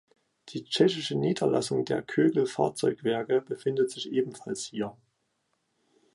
Die tschechische Niederlassung der Kögel Fahrzeugwerke befindet sich ebenfalls hier.